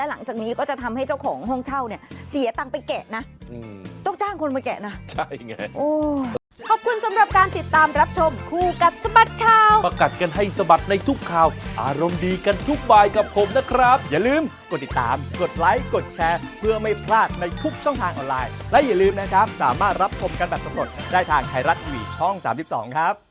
แล้วอย่าลืมนะครับสามารถรับคุมกันแบบสำรวจได้ทางไทรัติวีช่อง๓๒ครับ